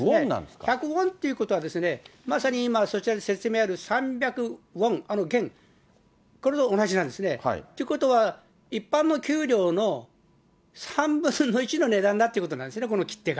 １００ウォンっていうことは、まさに今そちらで説明がある３００ウォン、元、これと同じなんですね。ということは、一般の給料の３分の１の値段だということなんですね、この切手が。